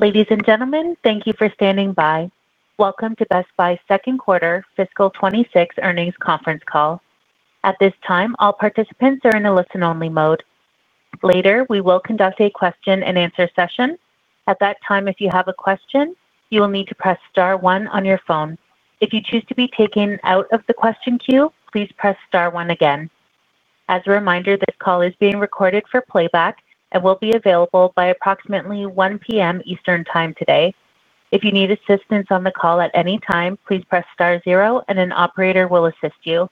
Ladies and gentlemen, thank you for standing by. Welcome to Best Buy's Second Quarter Fiscal 2026 Earnings Conference Call. At this time, all participants are in a listen-only mode. Later, we will conduct a question-and-answer session. At that time, if you have a question, you will need to press *1 on your phone. If you choose to be taken out of the question queue, please press *1 again. As a reminder, this call is being recorded for playback and will be available by approximately 1:00 P.M. Eastern Time today. If you need assistance on the call at any time, please press *0, and an operator will assist you.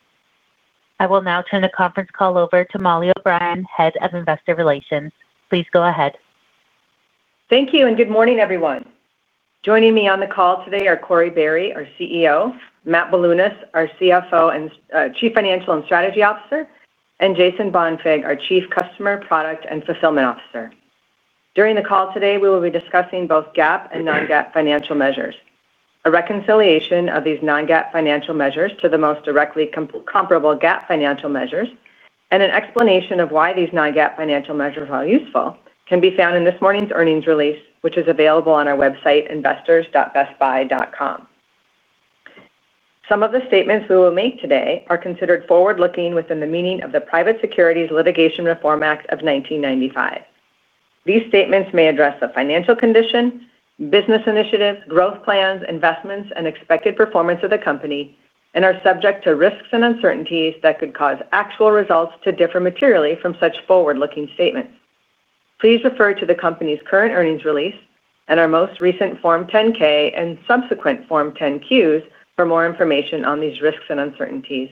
I will now turn the conference call over to Mollie O'Brien, Head of Investor Relations. Please go ahead. Thank you, and good morning, everyone. Joining me on the call today are Corie Barry, our CEO, Matt Bilunas, our CFO and Chief Financial and Strategy Officer, and Jason Bonfig, our Chief Customer Product and Fulfillment Officer. During the call today, we will be discussing both GAAP and non-GAAP financial measures. A reconciliation of these non-GAAP financial measures to the most directly comparable GAAP financial measures and an explanation of why these non-GAAP financial measures are useful can be found in this morning's earnings release, which is available on our website, investors.bestbuy.com. Some of the statements we will make today are considered forward-looking within the meaning of the Private Securities Litigation Reform Act of 1995. These statements may address a financial condition, business initiative, growth plans, investments, and expected performance of the company, and are subject to risks and uncertainties that could cause actual results to differ materially from such forward-looking statements. Please refer to the company's current earnings release and our most recent Form 10-K and subsequent Form 10-Qs for more information on these risks and uncertainties.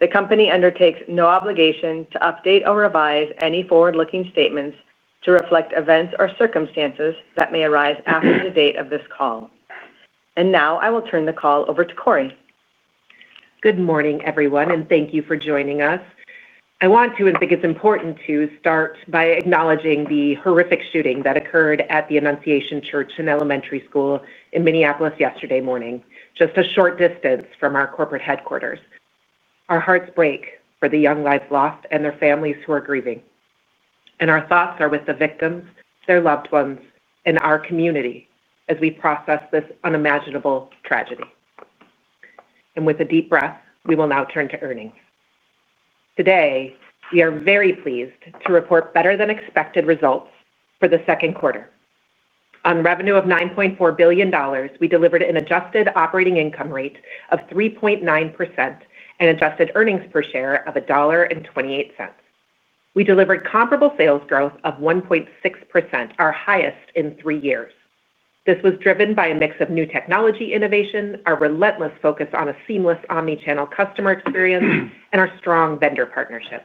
The company undertakes no obligation to update or revise any forward-looking statements to reflect events or circumstances that may arise after the date of this call. I will turn the call over to Corie. Good morning, everyone, and thank you for joining us. I want to, and think it's important to, start by acknowledging the horrific shooting that occurred at the Annunciation Church and Elementary School in Minneapolis yesterday morning, just a short distance from our corporate headquarters. Our hearts break for the young lives lost and their families who are grieving. Our thoughts are with the victims, their loved ones, and our community as we process this unimaginable tragedy. With a deep breath, we will now turn to earnings. Today, we are very pleased to report better-than-expected results for the second quarter. On revenue of $9.4 billion, we delivered an adjusted operating income rate of 3.9% and adjusted earnings per share of $1.28. We delivered comparable sales growth of 1.6%, our highest in three years. This was driven by a mix of new technology innovation, our relentless focus on a seamless omnichannel customer experience, and our strong vendor partnerships.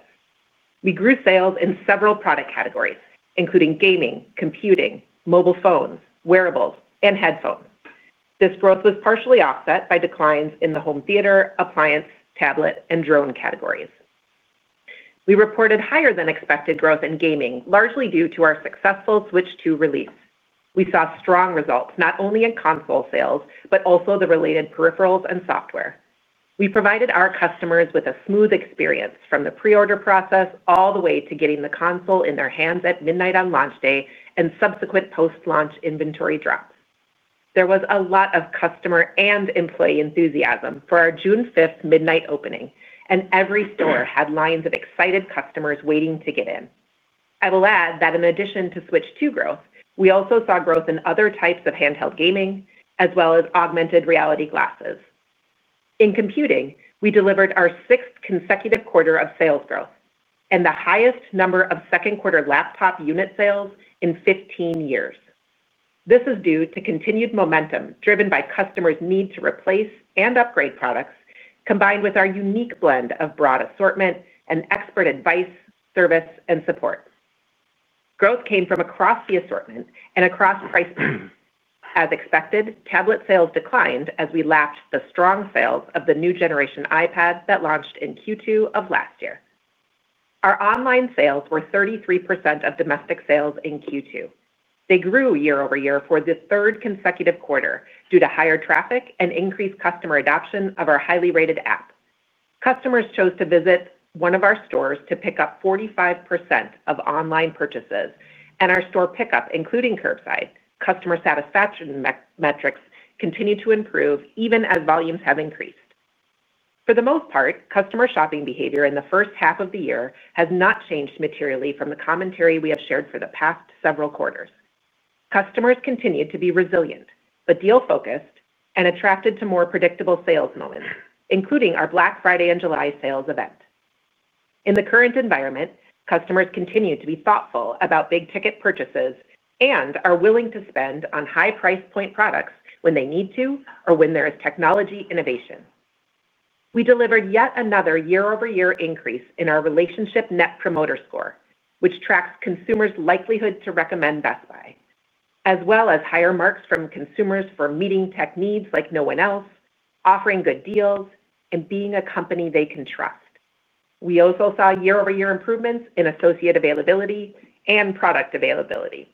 We grew sales in several product categories, including gaming, computing, mobile phones, wearables, and headphones. This growth was partially offset by declines in the home theater, appliance, tablet, and drone categories. We reported higher-than-expected growth in gaming, largely due to our successful Switch 2 release. We saw strong results not only in console sales, but also the related peripherals and software. We provided our customers with a smooth experience from the pre-order process all the way to getting the console in their hands at midnight on launch day and subsequent post-launch inventory drops. There was a lot of customer and employee enthusiasm for our June 5th midnight opening, and every store had lines of excited customers waiting to get in. I will add that in addition to Switch 2 growth, we also saw growth in other types of handheld gaming, as well as augmented reality glasses. In computing, we delivered our sixth consecutive quarter of sales growth and the highest number of second-quarter laptop unit sales in 15 years. This is due to continued momentum driven by customers' need to replace and upgrade products, combined with our unique blend of broad assortment and expert advice, service, and support. Growth came from across the assortment and across price points. As expected, tablet sales declined as we lapped the strong sales of the new generation iPad that launched in Q2 of last year. Our online sales were 33% of domestic sales in Q2. They grew year over year for the third consecutive quarter due to higher traffic and increased customer adoption of our highly rated app. Customers chose to visit one of our stores to pick up 45% of online purchases, and our store pickup, including curbside customer satisfaction metrics, continued to improve even as volumes have increased. For the most part, customer shopping behavior in the first half of the year has not changed materially from the commentary we have shared for the past several quarters. Customers continue to be resilient, but deal-focused and attracted to more predictable sales moments, including our Black Friday and July sales event. In the current environment, customers continue to be thoughtful about big-ticket purchases and are willing to spend on high price point products when they need to or when there is technology innovation. We delivered yet another year-over-year increase in our Relationship Net Promoter Score, which tracks consumers' likelihood to recommend Best Buy, as well as higher marks from consumers for meeting tech needs like no one else, offering good deals, and being a company they can trust. We also saw year-over-year improvements in associate availability and product availability.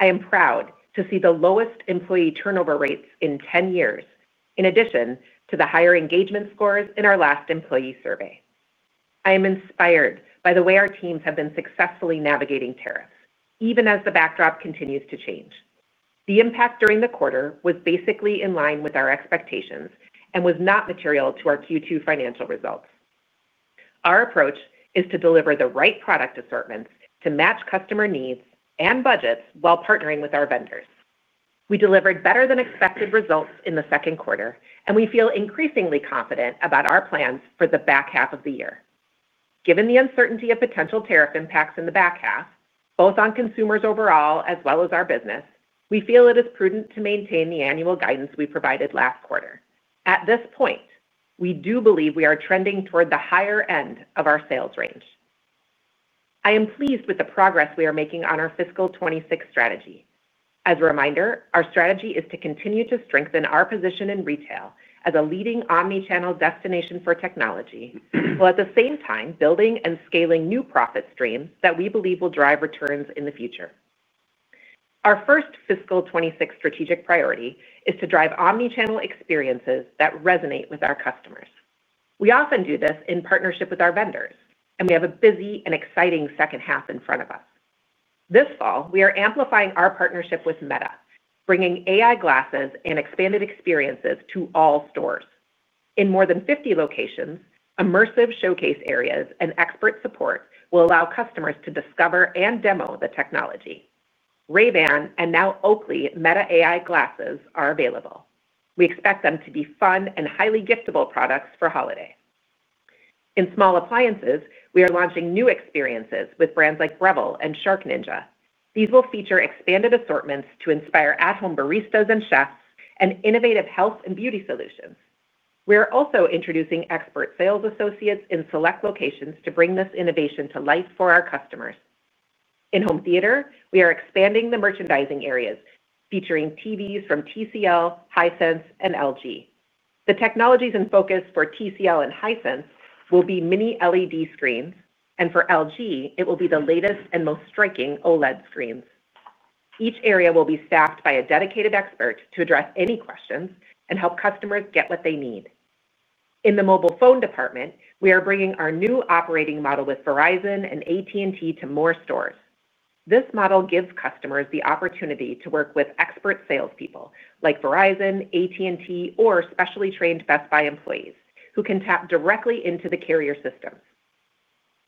I am proud to see the lowest employee turnover rates in 10 years, in addition to the higher engagement scores in our last employee survey. I am inspired by the way our teams have been successfully navigating tariffs, even as the backdrop continues to change. The impact during the quarter was basically in line with our expectations and was not material to our Q2 financial results. Our approach is to deliver the right product assortments to match customer needs and budgets while partnering with our vendors. We delivered better-than-expected results in the second quarter, and we feel increasingly confident about our plans for the back half of the year. Given the uncertainty of potential tariff impacts in the back half, both on consumers overall as well as our business, we feel it is prudent to maintain the annual guidance we provided last quarter. At this point, we do believe we are trending toward the higher end of our sales range. I am pleased with the progress we are making on our fiscal 2026 strategy. As a reminder, our strategy is to continue to strengthen our position in retail as a leading omnichannel destination for technology, while at the same time building and scaling new profit streams that we believe will drive returns in the future. Our first fiscal 2026 strategic priority is to drive omnichannel experiences that resonate with our customers. We often do this in partnership with our vendors, and we have a busy and exciting second half in front of us. This fall, we are amplifying our partnership with Meta, bringing AI glasses and expanded experiences to all stores. In more than 50 locations, immersive showcase areas and expert support will allow customers to discover and demo the technology. Ray-Ban and now Oakley Meta AI glasses are available. We expect them to be fun and highly giftable products for holiday. In small appliances, we are launching new experiences with brands like Revel and SharkNinja. These will feature expanded assortments to inspire at-home baristas and chefs and innovative health and beauty solutions. We are also introducing expert sales associates in select locations to bring this innovation to life for our customers. In home theater, we are expanding the merchandising areas, featuring TVs from TCL, Hisense, and LG. The technologies in focus for TCL and Hisense will be mini-LED screens, and for LG, it will be the latest and most striking OLED screens. Each area will be staffed by a dedicated expert to address any questions and help customers get what they need. In the mobile phone department, we are bringing our new operating model with Verizon and AT&T to more stores. This model gives customers the opportunity to work with expert salespeople like Verizon, AT&T, or specially trained Best Buy employees who can tap directly into the carrier systems.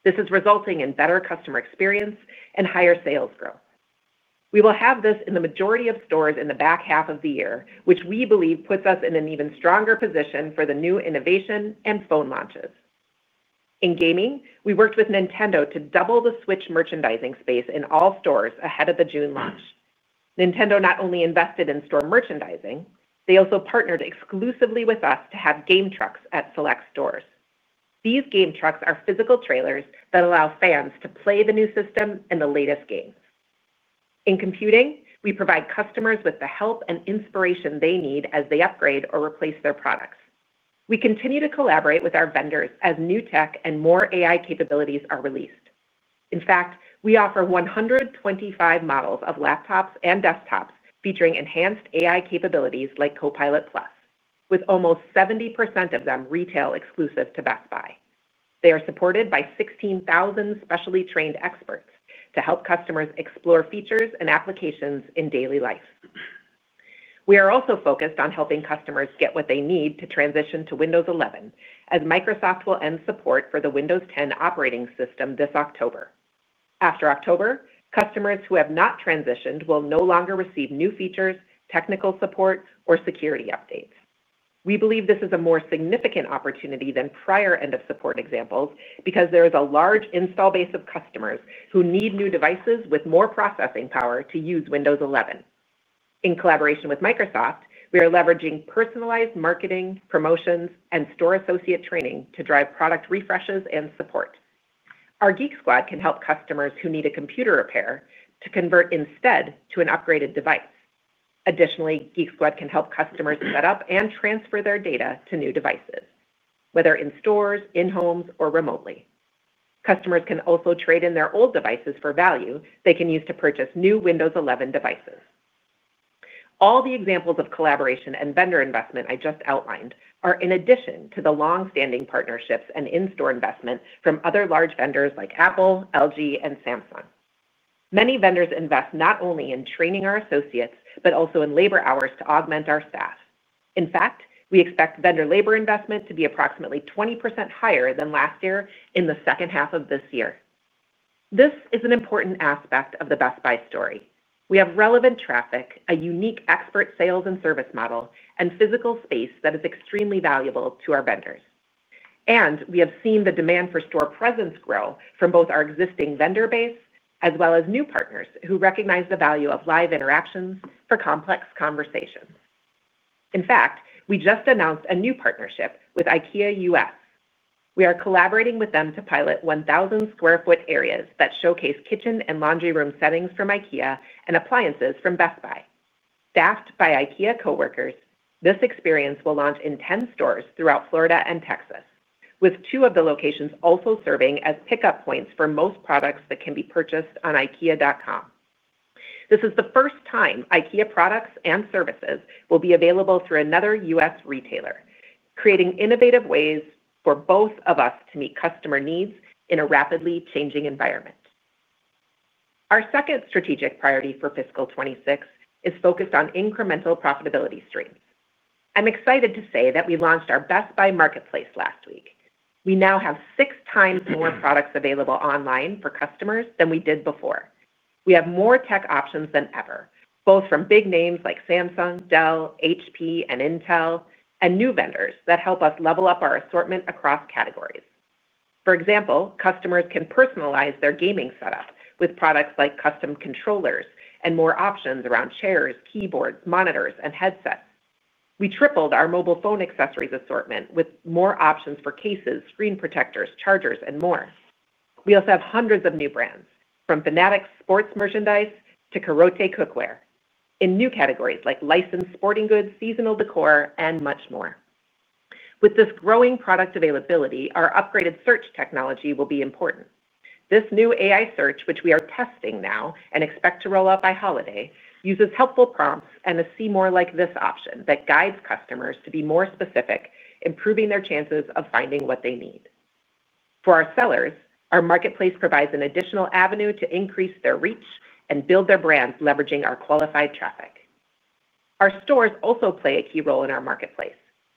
This is resulting in better customer experience and higher sales growth. We will have this in the majority of stores in the back half of the year, which we believe puts us in an even stronger position for the new innovation and phone launches. In gaming, we worked with Nintendo to double the Switch merchandising space in all stores ahead of the June launch. Nintendo not only invested in store merchandising, they also partnered exclusively with us to have game trucks at select stores. These game trucks are physical trailers that allow fans to play the new system and the latest games. In computing, we provide customers with the help and inspiration they need as they upgrade or replace their products. We continue to collaborate with our vendors as new tech and more AI capabilities are released. In fact, we offer 125 models of laptops and desktops featuring enhanced AI capabilities like Copilot+, with almost 70% of them retail exclusive to Best Buy. They are supported by 16,000 specially trained experts to help customers explore features and applications in daily life. We are also focused on helping customers get what they need to transition to Windows 11, as Microsoft will end support for the Windows 10 operating system this October. After October, customers who have not transitioned will no longer receive new features, technical support, or security updates. We believe this is a more significant opportunity than prior end-of-support examples because there is a large install base of customers who need new devices with more processing power to use Windows 11. In collaboration with Microsoft, we are leveraging personalized marketing, promotions, and store associate training to drive product refreshes and support. Our Geek Squad can help customers who need a computer repair to convert instead to an upgraded device. Additionally, Geek Squad can help customers set up and transfer their data to new devices, whether in stores, in homes, or remotely. Customers can also trade in their old devices for value they can use to purchase new Windows 11 devices. All the examples of collaboration and vendor investment I just outlined are in addition to the longstanding partnerships and in-store investment from other large vendors like Apple, LG, and Samsung. Many vendors invest not only in training our associates, but also in labor hours to augment our staff. In fact, we expect vendor labor investment to be approximately 20% higher than last year in the second half of this year. This is an important aspect of the Best Buy story. We have relevant traffic, a unique expert sales and service model, and physical space that is extremely valuable to our vendors. We have seen the demand for store presence grow from both our existing vendor base as well as new partners who recognize the value of live interactions for complex conversations. In fact, we just announced a new partnership with IKEA US. We are collaborating with them to pilot 1,000 square foot areas that showcase kitchen and laundry room settings from IKEA and appliances from Best Buy. Staffed by IKEA coworkers, this experience will launch in 10 stores throughout Florida and Texas, with two of the locations also serving as pickup points for most products that can be purchased on IKEA.com. This is the first time IKEA products and services will be available through another U.S. retailer, creating innovative ways for both of us to meet customer needs in a rapidly changing environment. Our second strategic priority for fiscal 2026 is focused on incremental profitability streams. I'm excited to say that we launched our Best Buy Marketplace last week. We now have six times more products available online for customers than we did before. We have more tech options than ever, both from big names like Samsung, Dell, HP, and Intel, and new vendors that help us level up our assortment across categories. For example, customers can personalize their gaming setup with products like custom controllers and more options around chairs, keyboards, monitors, and headsets. We tripled our mobile phone accessories assortment with more options for cases, screen protectors, chargers, and more. We also have hundreds of new brands, from Fanatics sports merchandise to Karat cookware, in new categories like licensed sporting goods, seasonal decor, and much more. With this growing product availability, our upgraded search technology will be important. This new AI search, which we are testing now and expect to roll out by holiday, uses helpful prompts and a "see more like this" option that guides customers to be more specific, improving their chances of finding what they need. For our sellers, our marketplace provides an additional avenue to increase their reach and build their brand, leveraging our qualified traffic. Our stores also play a key role in our marketplace.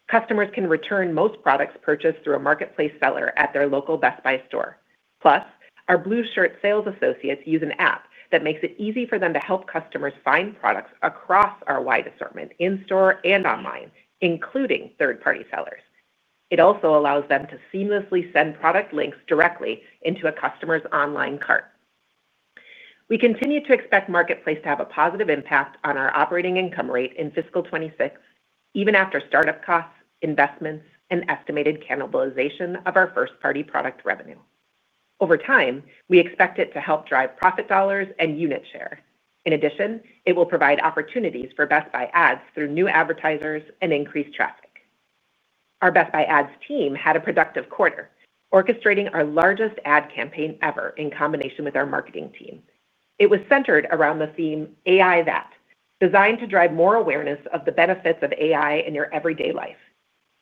Customers can return most products purchased through a marketplace seller at their local Best Buy store. Plus, our Blue Shirt sales associates use an app that makes it easy for them to help customers find products across our wide assortment in-store and online, including third-party sellers. It also allows them to seamlessly send product links directly into a customer's online cart. We continue to expect the marketplace to have a positive impact on our operating income rate in fiscal 2026, even after startup costs, investments, and estimated cannibalization of our first-party product revenue. Over time, we expect it to help drive profit dollars and unit share. In addition, it will provide opportunities for Best Buy Ads through new advertisers and increased traffic. Our Best Buy Ads team had a productive quarter, orchestrating our largest ad campaign ever in combination with our marketing team. It was centered around the theme "AI That," designed to drive more awareness of the benefits of AI in your everyday life.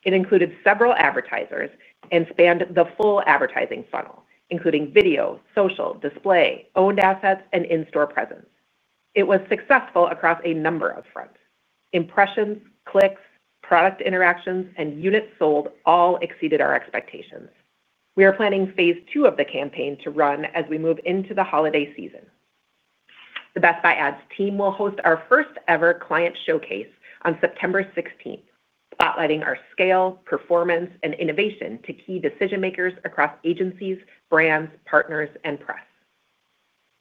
It included several advertisers and spanned the full advertising funnel, including video, social, display, owned assets, and in-store presence. It was successful across a number of fronts. Impressions, clicks, product interactions, and units sold all exceeded our expectations. We are planning phase two of the campaign to run as we move into the holiday season. The Best Buy Ads team will host our first-ever client showcase on September 16, outlining our scale, performance, and innovation to key decision-makers across agencies, brands, partners, and press.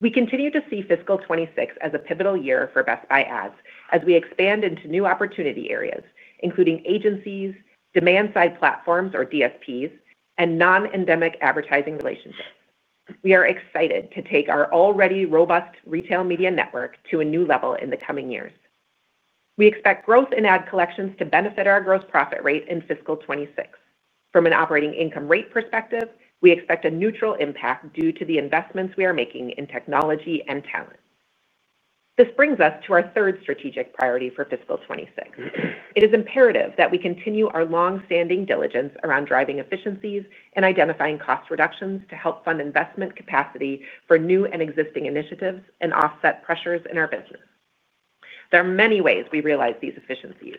We continue to see fiscal 2026 as a pivotal year for Best Buy Ads as we expand into new opportunity areas, including agencies, demand-side platforms, or DSPs, and non-endemic advertising relationships. We are excited to take our already robust retail media network to a new level in the coming years. We expect growth in ad collections to benefit our gross profit rate in fiscal 2026. From an operating income rate perspective, we expect a neutral impact due to the investments we are making in technology and talent. This brings us to our third strategic priority for fiscal 2026. It is imperative that we continue our longstanding diligence around driving efficiencies and identifying cost reductions to help fund investment capacity for new and existing initiatives and offset pressures in our business. There are many ways we realize these efficiencies.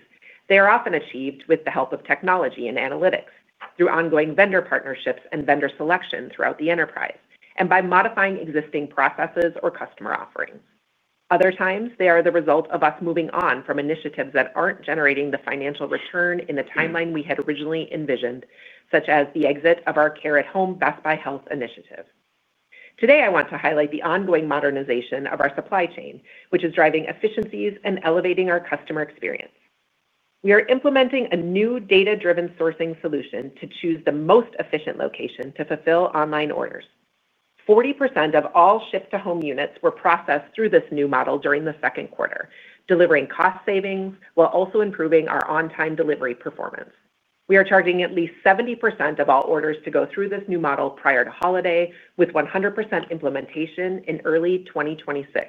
They are often achieved with the help of technology and analytics, through ongoing vendor partnerships and vendor selection throughout the enterprise, and by modifying existing processes or customer offerings. Other times, they are the result of us moving on from initiatives that aren't generating the financial return in the timeline we had originally envisioned, such as the exit of our care-at-home Best Buy Health initiative. Today, I want to highlight the ongoing modernization of our supply chain, which is driving efficiencies and elevating our customer experience. We are implementing a new data-driven sourcing solution to choose the most efficient location to fulfill online orders. 40% of all ship-to-home units were processed through this new model during the second quarter, delivering cost savings while also improving our on-time delivery performance. We are charging at least 70% of all orders to go through this new model prior to holiday, with 100% implementation in early 2026.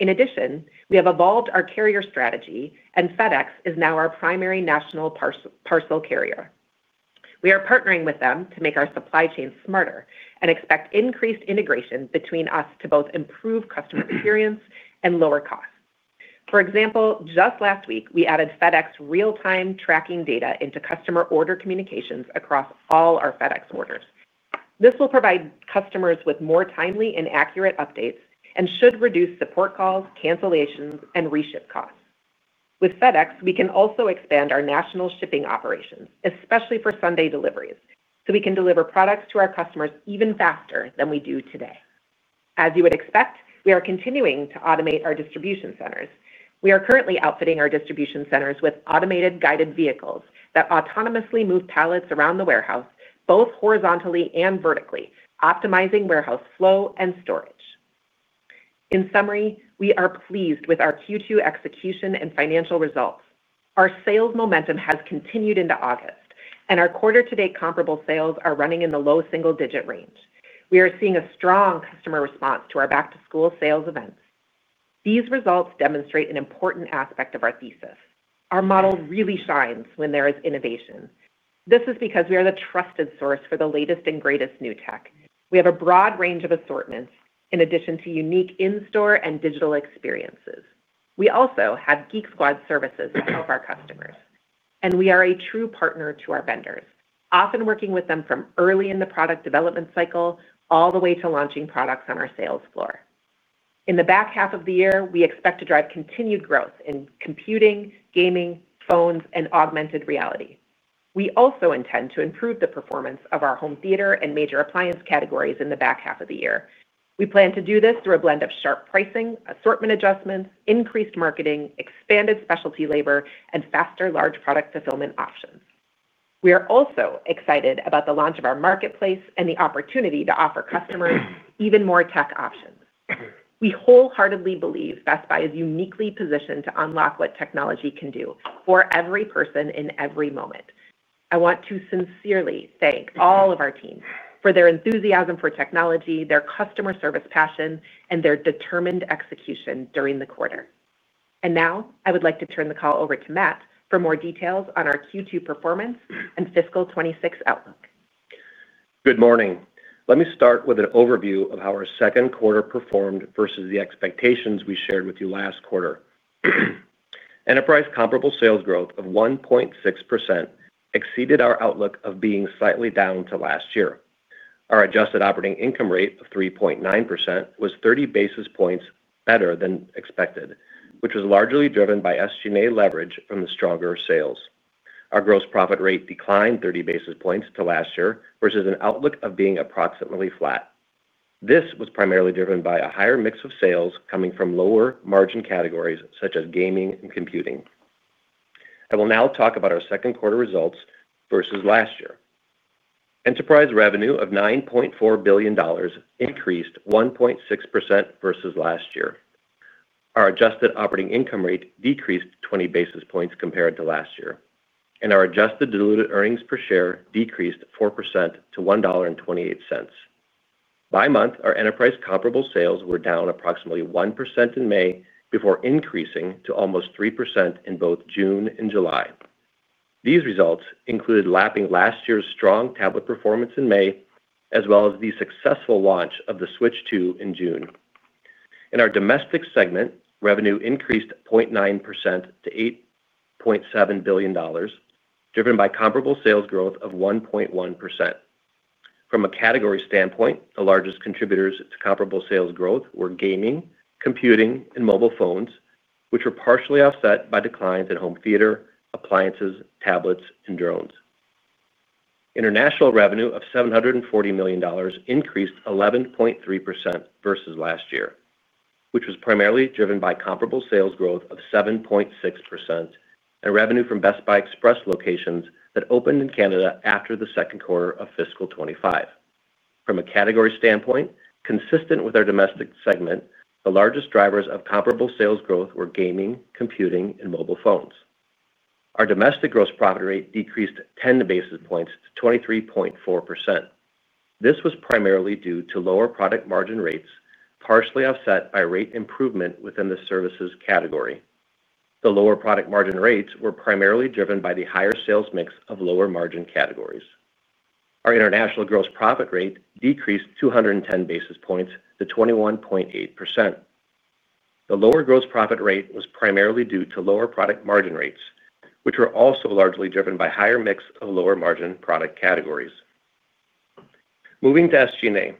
In addition, we have evolved our carrier strategy, and FedEx is now our primary national parcel carrier. We are partnering with them to make our supply chain smarter and expect increased integration between us to both improve customer experience and lower costs. For example, just last week, we added FedEx real-time tracking data into customer order communications across all our FedEx orders. This will provide customers with more timely and accurate updates and should reduce support calls, cancellations, and reship costs. With FedEx, we can also expand our national shipping operations, especially for Sunday deliveries, so we can deliver products to our customers even faster than we do today. As you would expect, we are continuing to automate our distribution centers. We are currently outfitting our distribution centers with automated guided vehicles that autonomously move pallets around the warehouse, both horizontally and vertically, optimizing warehouse flow and storage. In summary, we are pleased with our Q2 execution and financial results. Our sales momentum has continued into August, and our quarter-to-date comparable sales are running in the low single-digit range. We are seeing a strong customer response to our back-to-school sales events. These results demonstrate an important aspect of our thesis. Our model really shines when there is innovation. This is because we are the trusted source for the latest and greatest new tech. We have a broad range of assortments, in addition to unique in-store and digital experiences. We also have Geek Squad services for our customers, and we are a true partner to our vendors, often working with them from early in the product development cycle all the way to launching products on our sales floor. In the back half of the year, we expect to drive continued growth in computing, gaming, phones, and augmented reality. We also intend to improve the performance of our home theater and major appliance categories in the back half of the year. We plan to do this through a blend of sharp pricing, assortment adjustments, increased marketing, expanded specialty labor, and faster large product fulfillment options. We are also excited about the launch of our Best Buy Marketplace and the opportunity to offer customers even more tech options. We wholeheartedly believe Best Buy is uniquely positioned to unlock what technology can do for every person in every moment. I want to sincerely thank all of our team for their enthusiasm for technology, their customer service passion, and their determined execution during the quarter. I would like to turn the call over to Matt for more details on our Q2 performance and fiscal 2026 outlook. Good morning. Let me start with an overview of how our second quarter performed versus the expectations we shared with you last quarter. Enterprise comparable sales growth of 1.6% exceeded our outlook of being slightly down to last year. Our adjusted operating income rate of 3.9% was 30 basis points better than expected, which was largely driven by SG&A leverage from the stronger sales. Our gross profit rate declined 30 basis points to last year versus an outlook of being approximately flat. This was primarily driven by a higher mix of sales coming from lower margin categories, such as gaming and computing. I will now talk about our second quarter results versus last year. Enterprise revenue of $9.4 billion increased 1.6% versus last year. Our adjusted operating income rate decreased 20 basis points compared to last year, and our adjusted diluted earnings per share decreased 4% to $1.28. By month, our enterprise comparable sales were down approximately 1% in May, before increasing to almost 3% in both June and July. These results included lapping last year's strong tablet performance in May, as well as the successful launch of the Nintendo Switch 2 in June. In our domestic segment, revenue increased 0.9% to $8.7 billion, driven by comparable sales growth of 1.1%. From a category standpoint, the largest contributors to comparable sales growth were gaming, computing, and mobile phones, which were partially offset by declines in home theater, appliances, tablets, and drones. International revenue of $740 million increased 11.3% versus last year, which was primarily driven by comparable sales growth of 7.6% and revenue from Best Buy Express locations that opened in Canada after the second quarter of fiscal 2025. From a category standpoint, consistent with our domestic segment, the largest drivers of comparable sales growth were gaming, computing, and mobile phones. Our domestic gross profit rate decreased 10 basis points to 23.4%. This was primarily due to lower product margin rates, partially offset by rate improvement within the services category. The lower product margin rates were primarily driven by the higher sales mix of lower margin categories. Our international gross profit rate decreased 210 basis points to 21.8%. The lower gross profit rate was primarily due to lower product margin rates, which were also largely driven by a higher mix of lower margin product categories. Moving to SG&A,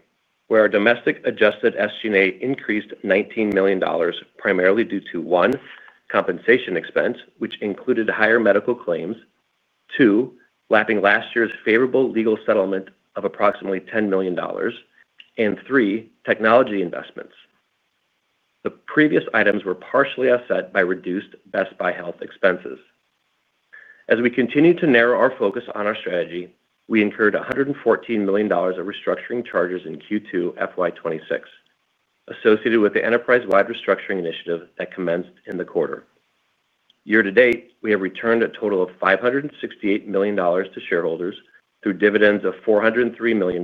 where our domestic adjusted SG&A increased $19 million, primarily due to, one, compensation expense, which included higher medical claims, two, lapping last year's favorable legal settlement of approximately $10 million, and three, technology investments. The previous items were partially offset by reduced Best Buy Health expenses. As we continue to narrow our focus on our strategy, we incurred $114 million of restructuring charges in Q2 FY 2026, associated with the enterprise-wide restructuring initiative that commenced in the quarter. Year to date, we have returned a total of $568 million to shareholders through dividends of $403 million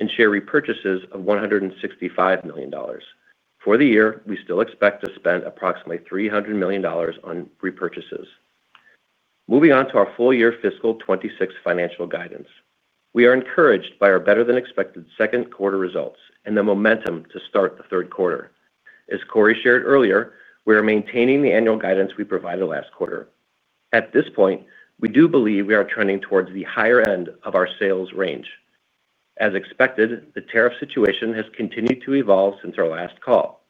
and share repurchases of $165 million. For the year, we still expect to spend approximately $300 million on repurchases. Moving on to our full-year fiscal 2026 financial guidance, we are encouraged by our better-than-expected second quarter results and the momentum to start the third quarter. As Corie shared earlier, we are maintaining the annual guidance we provided last quarter. At this point, we do believe we are trending towards the higher end of our sales range. As expected, the tariff situation has continued to evolve since our last call.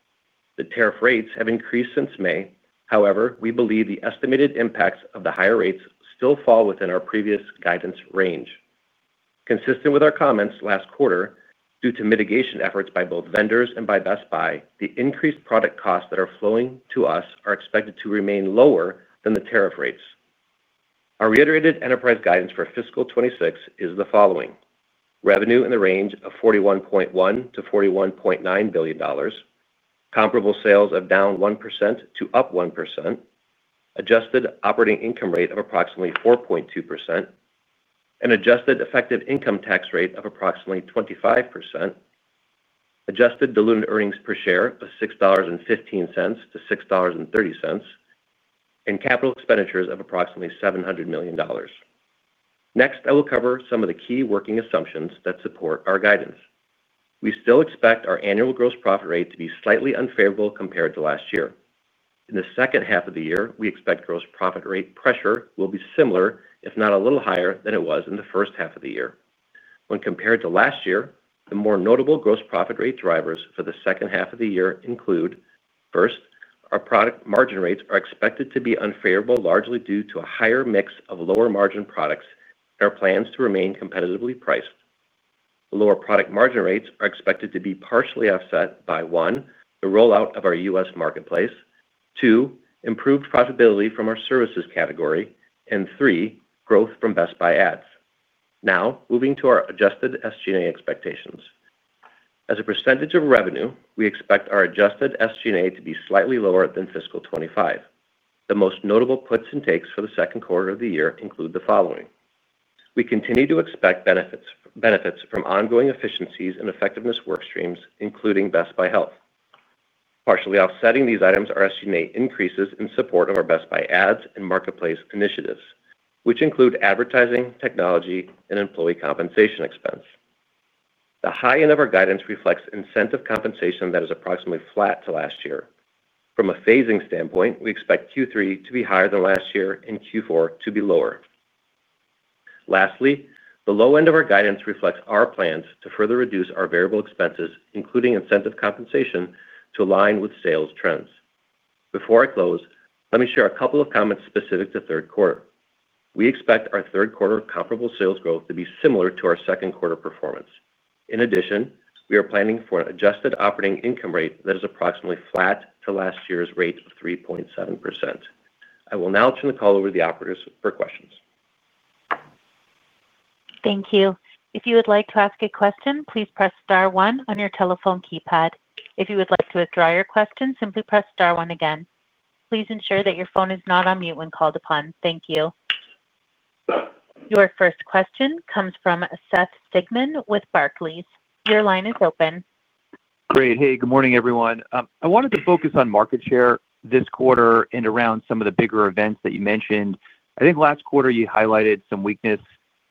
The tariff rates have increased since May. However, we believe the estimated impacts of the higher rates still fall within our previous guidance range. Consistent with our comments last quarter, due to mitigation efforts by both vendors and by Best Buy, the increased product costs that are flowing to us are expected to remain lower than the tariff rates. Our reiterated enterprise guidance for fiscal 2026 is the following: revenue in the range of $41.1 to $41.9 billion, comparable sales of down 1% to up 1%, adjusted operating income rate of approximately 4.2%, an adjusted effective income tax rate of approximately 25%, adjusted diluted earnings per share of $6.15 to $6.30, and capital expenditures of approximately $700 million. Next, I will cover some of the key working assumptions that support our guidance. We still expect our annual gross profit rate to be slightly unfavorable compared to last year. In the second half of the year, we expect gross profit rate pressure will be similar, if not a little higher, than it was in the first half of the year. When compared to last year, the more notable gross profit rate drivers for the second half of the year include: first, our product margin rates are expected to be unfavorable, largely due to a higher mix of lower margin products and our plans to remain competitively priced. Lower product margin rates are expected to be partially offset by, one, the rollout of our U.S. marketplace, two, improved profitability from our services category, and three, growth from Best Buy Ads. Now, moving to our adjusted SG&A expectations. As a percentage of revenue, we expect our adjusted SG&A to be slightly lower than fiscal 2025. The most notable puts and takes for the second quarter of the year include the following: we continue to expect benefits from ongoing efficiencies and effectiveness work streams, including Best Buy Health. Partially offsetting these items are SG&A increases in support of our Best Buy Ads and marketplace initiatives, which include advertising, technology, and employee compensation expense. The high end of our guidance reflects incentive compensation that is approximately flat to last year. From a phasing standpoint, we expect Q3 to be higher than last year and Q4 to be lower. Lastly, the low end of our guidance reflects our plans to further reduce our variable expenses, including incentive compensation, to align with sales trends. Before I close, let me share a couple of comments specific to third quarter. We expect our third quarter comparable sales growth to be similar to our second quarter performance. In addition, we are planning for an adjusted operating income rate that is approximately flat to last year's rate of 3.7%. I will now turn the call over to the operators for questions. Thank you. If you would like to ask a question, please press *1 on your telephone keypad. If you would like to withdraw your question, simply press *1 again. Please ensure that your phone is not on mute when called upon. Thank you. Your first question comes from Seth Sigman with Barclays. Your line is open. Great. Hey, good morning, everyone. I wanted to focus on market share this quarter and around some of the bigger events that you mentioned. I think last quarter you highlighted some weakness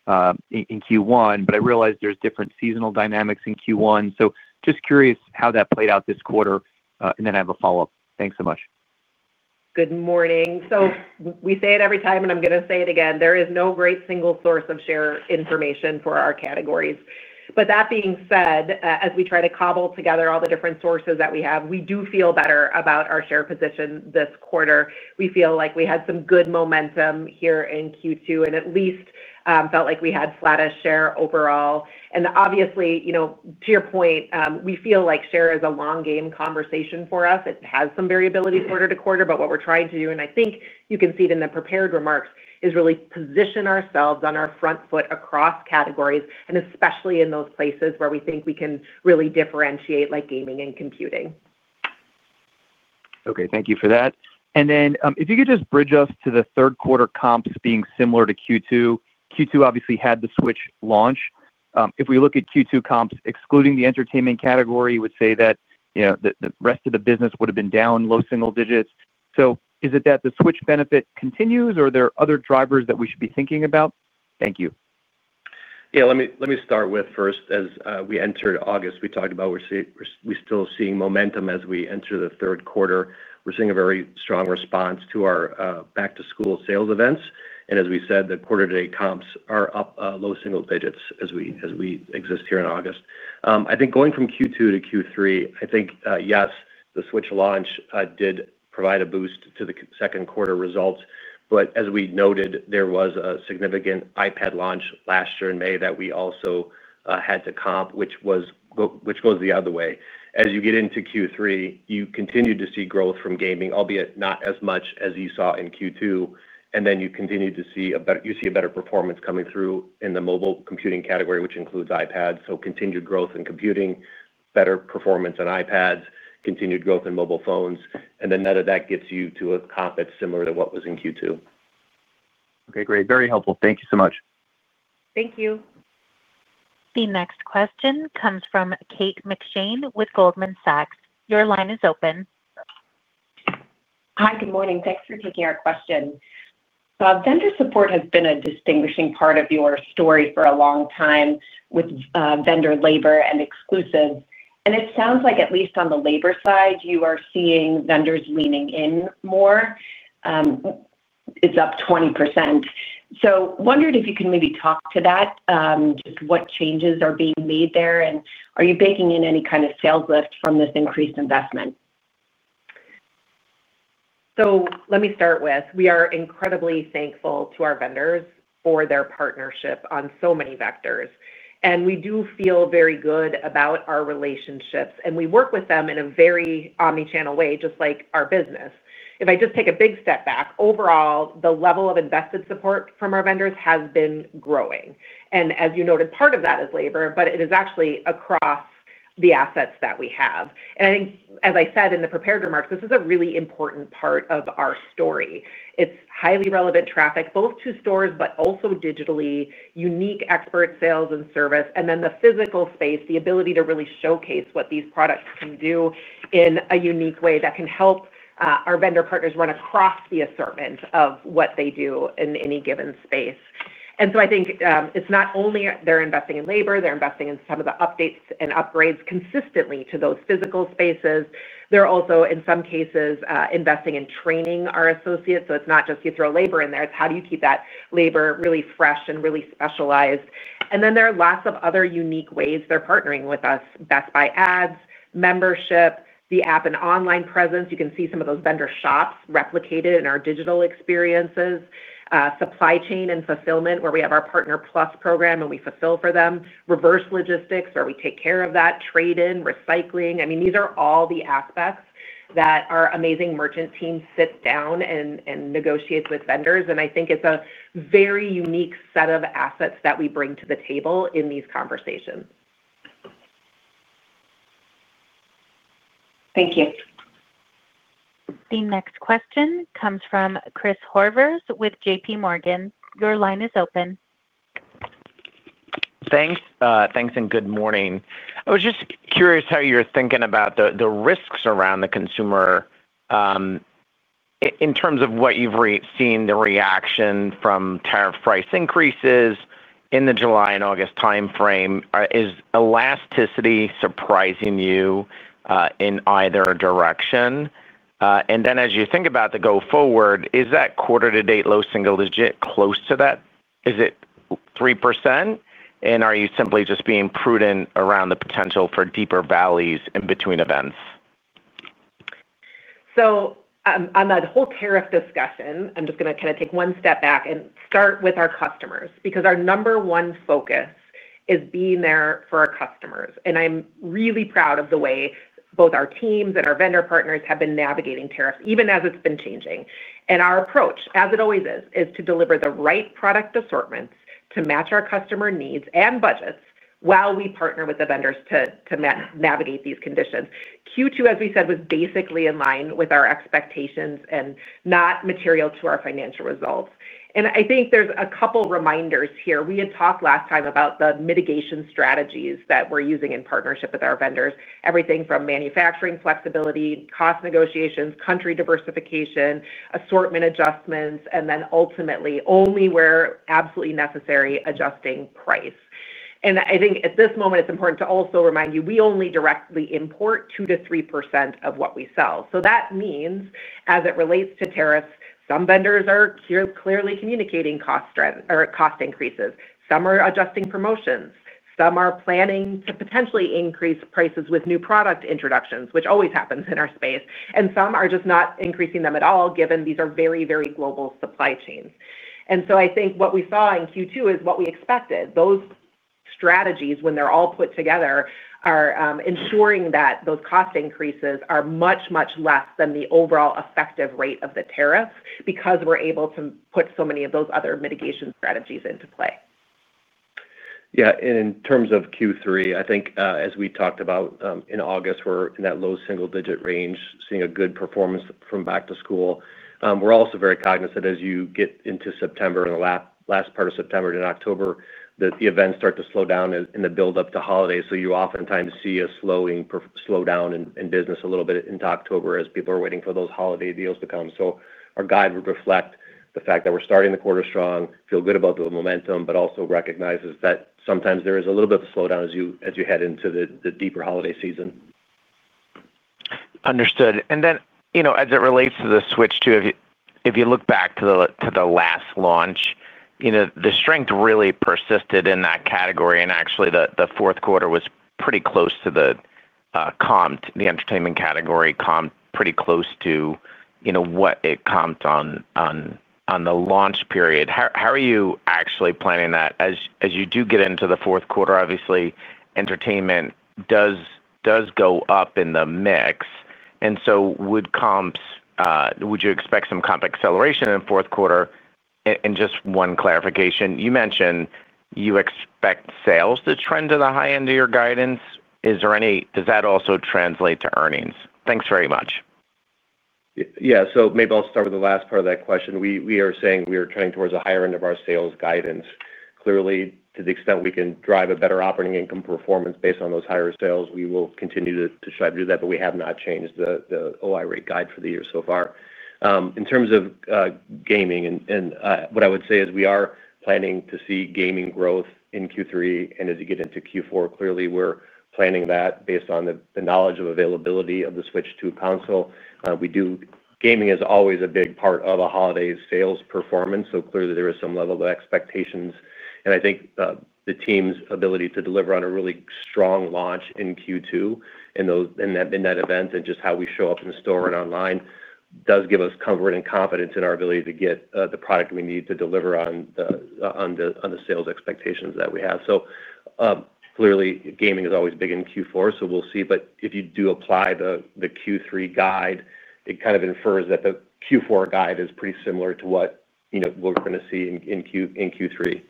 in Q1, but I realized there's different seasonal dynamics in Q1. Just curious how that played out this quarter, and then I have a follow-up. Thanks so much. Good morning. We say it every time, and I'm going to say it again. There is no great single source of share information for our categories. That being said, as we try to cobble together all the different sources that we have, we do feel better about our share position this quarter. We feel like we had some good momentum here in Q2 and at least felt like we had flattest share overall. Obviously, you know, to your point, we feel like share is a long-game conversation for us. It has some variability quarter to quarter, but what we're trying to do, and I think you can see it in the prepared remarks, is really position ourselves on our front foot across categories, especially in those places where we think we can really differentiate, like gaming and computing. Thank you for that. If you could just bridge us to the third quarter comps being similar to Q2. Q2 obviously had the Switch launch. If we look at Q2 comps, excluding the entertainment category, you would say that the rest of the business would have been down low single digits. Is it that the Switch benefit continues, or are there other drivers that we should be thinking about? Thank you. Let me start with first, as we entered August, we talked about we're still seeing momentum as we enter the third quarter. We're seeing a very strong response to our back-to-school sales events. As we said, the quarter-to-date comps are up low single digits as we exist here in August. I think going from Q2 to Q3, yes, the Switch launch did provide a boost to the second quarter results. As we noted, there was a significant iPad launch last year in May that we also had to comp, which goes the other way. As you get into Q3, you continue to see growth from gaming, albeit not as much as you saw in Q2. You continue to see a better performance coming through in the mobile computing category, which includes iPads. Continued growth in computing, better performance in iPads, continued growth in mobile phones. None of that gets you to a comp that's similar to what was in Q2. OK, great. Very helpful. Thank you so much. Thank you. The next question comes from Kate McShane with Goldman Sachs. Your line is open. Hi, good morning. Thanks for taking our question. Vendor support has been a distinguishing part of your story for a long time with vendor labor and exclusives. It sounds like, at least on the labor side, you are seeing vendors leaning in more. It's up 20%. I wondered if you can maybe talk to that, just what changes are being made there, and are you baking in any kind of sales lift from this increased investment? Let me start with, we are incredibly thankful to our vendors for their partnership on so many vectors. We do feel very good about our relationships, and we work with them in a very omnichannel way, just like our business. If I just take a big step back, overall, the level of invested support from our vendors has been growing. As you noted, part of that is labor, but it is actually across the assets that we have. As I said in the prepared remarks, this is a really important part of our story. It's highly relevant traffic, both to stores, but also digitally, unique expert sales and service, and then the physical space, the ability to really showcase what these products can do in a unique way that can help our vendor partners run across the assortment of what they do in any given space. I think it's not only they're investing in labor. They're investing in some of the updates and upgrades consistently to those physical spaces. They're also, in some cases, investing in training our associates. It's not just you throw labor in there. It's how do you keep that labor really fresh and really specialized. There are lots of other unique ways they're partnering with us: Best Buy Ads, membership, the app and online presence. You can see some of those vendor shops replicated in our digital experiences, supply chain and fulfillment, where we have our Partner Plus program and we fulfill for them, reverse logistics, where we take care of that, trade-in, recycling. These are all the aspects that our amazing merchant team sits down and negotiates with vendors. I think it's a very unique set of assets that we bring to the table in these conversations. Thank you. The next question comes from Christopher Horvers with JP Morgan. Your line is open. Thanks and good morning. I was just curious how you're thinking about the risks around the consumer in terms of what you've seen, the reaction from tariff price increases in the July and August time frame. Is elasticity surprising you in either direction? As you think about the go-forward, is that quarter-to-date low single digit close to that? Is it 3%? Are you simply just being prudent around the potential for deeper valleys in between events? On that whole tariff discussion, I'm just going to take one step back and start with our customers, because our number one focus is being there for our customers. I'm really proud of the way both our teams and our vendor partners have been navigating tariffs, even as it's been changing. Our approach, as it always is, is to deliver the right product assortments to match our customer needs and budgets while we partner with the vendors to navigate these conditions. Q2, as we said, was basically in line with our expectations and not material to our financial results. I think there's a couple reminders here. We had talked last time about the mitigation strategies that we're using in partnership with our vendors, everything from manufacturing flexibility, cost negotiations, country diversification, assortment adjustments, and then ultimately only where absolutely necessary, adjusting price. At this moment, it's important to also remind you we only directly import 2%-3% of what we sell. That means, as it relates to tariffs, some vendors are clearly communicating cost increases. Some are adjusting promotions. Some are planning to potentially increase prices with new product introductions, which always happens in our space. Some are just not increasing them at all, given these are very, very global supply chains. I think what we saw in Q2 is what we expected. Those strategies, when they're all put together, are ensuring that those cost increases are much, much less than the overall effective rate of the tariffs because we're able to put so many of those other mitigation strategies into play. Yeah, and in terms of Q3, I think as we talked about in August, we're in that low single-digit range, seeing a good performance from back to school. We're also very cognizant as you get into September and the last part of September and October, that the events start to slow down in the build-up to holidays. You oftentimes see a slowdown in business a little bit into October as people are waiting for those holiday deals to come. Our guide would reflect the fact that we're starting the quarter strong, feel good about the momentum, but also recognizes that sometimes there is a little bit of a slowdown as you head into the deeper holiday season. Understood. As it relates to the Nintendo Switch 2, if you look back to the last launch, the strength really persisted in that category. Actually, the fourth quarter was pretty close to the comp, the entertainment category comp, pretty close to what it comped on the launch period. How are you actually planning that? As you get into the fourth quarter, obviously, entertainment does go up in the mix, and so would comps. Would you expect some comp acceleration in the fourth quarter? Just one clarification, you mentioned you expect sales to trend to the high end of your guidance. Does that also translate to earnings? Thanks very much. Yeah, so maybe I'll start with the last part of that question. We are saying we are trending towards the higher end of our sales guidance. Clearly, to the extent we can drive a better operating income performance based on those higher sales, we will continue to strive to do that. We have not changed the OI rate guide for the year so far. In terms of gaming, what I would say is we are planning to see gaming growth in Q3. As you get into Q4, we are planning that based on the knowledge of availability of the Nintendo Switch 2 console. Gaming is always a big part of a holiday sales performance. There is some level of expectations. I think the team's ability to deliver on a really strong launch in Q2 in that event and just how we show up in the store and online does give us comfort and confidence in our ability to get the product we need to deliver on the sales expectations that we have. Gaming is always big in Q4. We'll see. If you do apply the Q3 guide, it kind of infers that the Q4 guide is pretty similar to what we're going to see in Q3.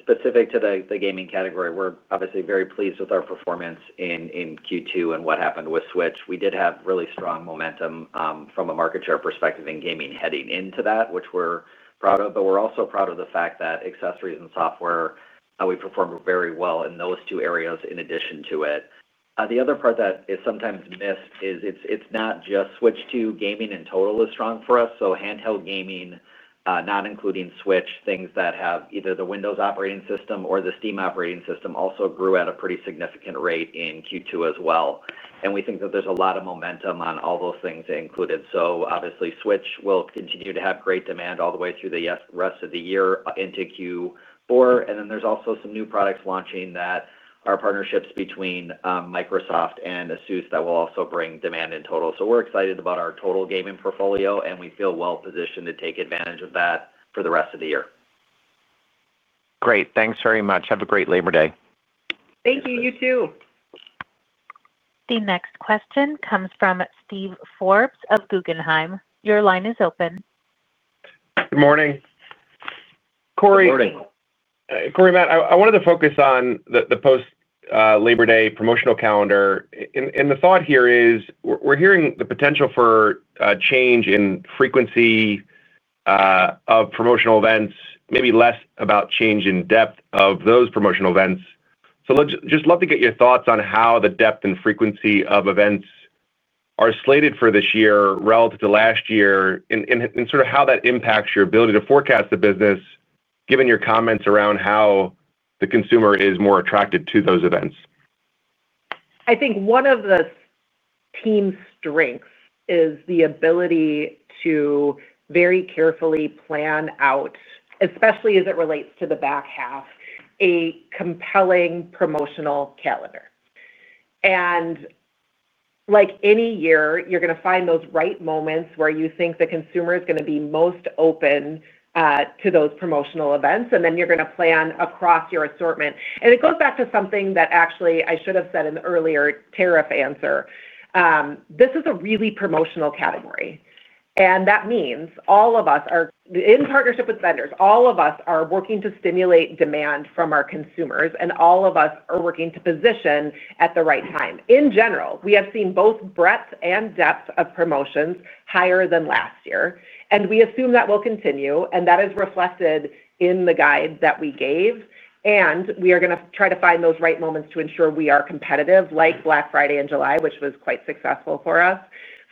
Specific to the gaming category, we're obviously very pleased with our performance in Q2 and what happened with Switch. We did have really strong momentum from a market share perspective in gaming heading into that, which we're proud of. We're also proud of the fact that accessories and software, we performed very well in those two areas in addition to it. The other part that is sometimes missed is it's not just Switch 2. Gaming in total is strong for us. Handheld gaming, not including Switch, things that have either the Windows operating system or the Steam operating system, also grew at a pretty significant rate in Q2 as well. We think that there's a lot of momentum on all those things included. Switch will continue to have great demand all the way through the rest of the year into Q4. There are also some new products launching that are partnerships between Microsoft and Asus that will also bring demand in total. We're excited about our total gaming portfolio, and we feel well-positioned to take advantage of that for the rest of the year. Great. Thanks very much. Have a great Labor Day. Thank you. You too. The next question comes from Steven Forbes of Guggenheim. Your line is open. Good morning, Corie. Morning. Corie and Matt, I wanted to focus on the post-Labor Day promotional calendar. The thought here is we're hearing the potential for a change in frequency of promotional events, maybe less about change in depth of those promotional events. I'd just love to get your thoughts on how the depth and frequency of events are slated for this year relative to last year and sort of how that impacts your ability to forecast the business, given your comments around how the consumer is more attracted to those events. I think one of the team's strengths is the ability to very carefully plan out, especially as it relates to the back half, a compelling promotional calendar. Like any year, you're going to find those right moments where you think the consumer is going to be most open to those promotional events. You're going to plan across your assortment. It goes back to something that actually I should have said in the earlier tariff answer. This is a really promotional category. That means all of us are, in partnership with vendors, working to stimulate demand from our consumers. All of us are working to position at the right time. In general, we have seen both breadth and depth of promotions higher than last year. We assume that will continue, and that is reflected in the guide that we gave. We are going to try to find those right moments to ensure we are competitive, like Black Friday in July, which was quite successful for us,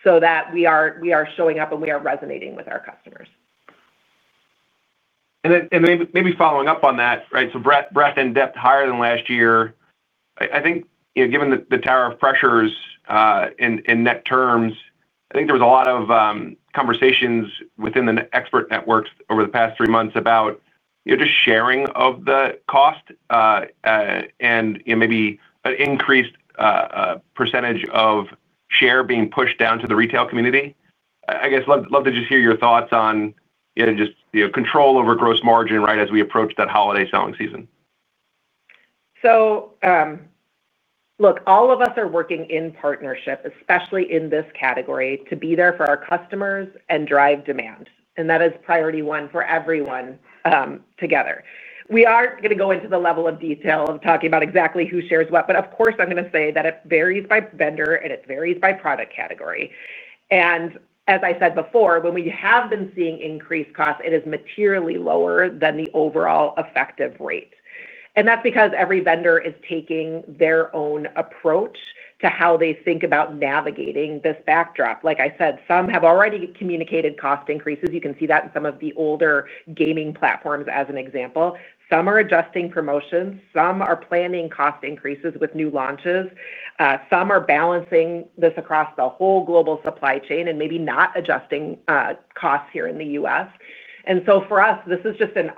so that we are showing up and we are resonating with our customers. Maybe following up on that, right, so breadth and depth higher than last year. I think, you know, given the tariff pressures in net terms, I think there was a lot of conversations within the expert networks over the past three months about just sharing of the cost and maybe an increased % of share being pushed down to the retail community. I guess I'd love to just hear your thoughts on just control over gross margin as we approach that holiday selling season. Look, all of us are working in partnership, especially in this category, to be there for our customers and drive demand. That is priority one for everyone together. We are not going to go into the level of detail of talking about exactly who shares what. Of course, I'm going to say that it varies by vendor and it varies by product category. As I said before, when we have been seeing increased costs, it is materially lower than the overall effective rate. That's because every vendor is taking their own approach to how they think about navigating this backdrop. Like I said, some have already communicated cost increases. You can see that in some of the older gaming platforms as an example. Some are adjusting promotions. Some are planning cost increases with new launches. Some are balancing this across the whole global supply chain and maybe not adjusting costs here in the U.S. For us, this is just, and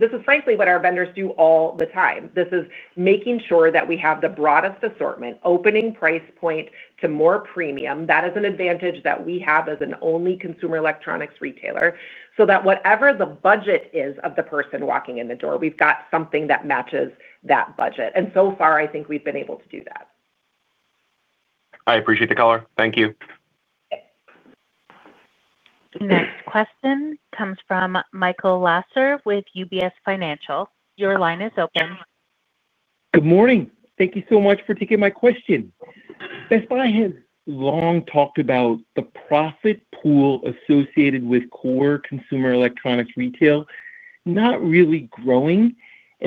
this is frankly what our vendors do all the time. This is making sure that we have the broadest assortment, opening price point to more premium. That is an advantage that we have as an only consumer electronics retailer, so that whatever the budget is of the person walking in the door, we've got something that matches that budget. So far, I think we've been able to do that. I appreciate the color. Thank you. Next question comes from Michael Lasser with UBS Financial. Your line is open. Good morning. Thank you so much for taking my question. Best Buy has long talked about the profit pool associated with core consumer electronics retail not really growing.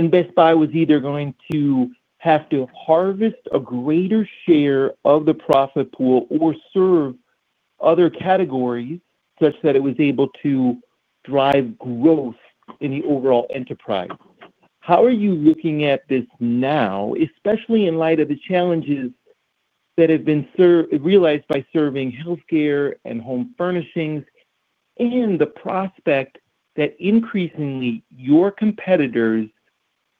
Best Buy was either going to have to harvest a greater share of the profit pool or serve other categories such that it was able to drive growth in the overall enterprise. How are you looking at this now, especially in light of the challenges that have been realized by serving health care and home furnishings and the prospect that increasingly your competitors